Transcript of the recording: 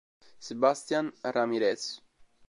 Sebastián Ramírez